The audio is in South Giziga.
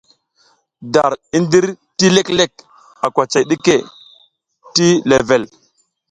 Dar i ndir ti leklek a kwacay ɗike ti level.